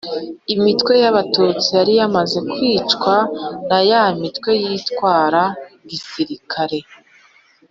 Imitwe y Abatutsi yari yamaze kwicwa na Ya mitwe yitwara gisirikare